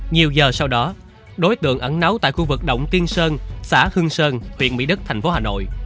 nhiều giờ sau đó đối tượng ẩn nấu tại khu vực động tiên sơn xã hương sơn huyện mỹ đức thành phố hà nội